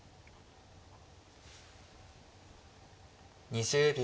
２０秒。